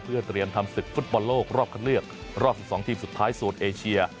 เพื่อเตรียมทำศึกฟุตบอลโลกรอบคันเลือกรอบ๑๒ทีมสุดท้ายโซนเอเชีย